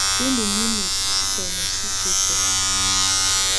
Tù ndù mimǝ sɔnɔ̀ sisiǝ́ tɛ̀á.